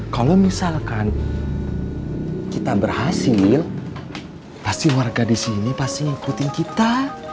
kalau misalkan kita berhasil pasti warga di sini pasti ngikutin kita